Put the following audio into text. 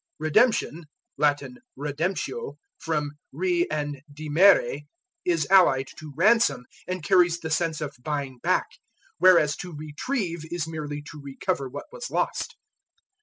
Redemption (Latin redemptio, from re and dimere) is allied to ransom, and carries the sense of buying back; whereas to retrieve is merely to recover what was lost.